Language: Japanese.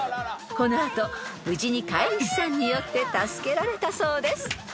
［この後無事に飼い主さんによって助けられたそうです］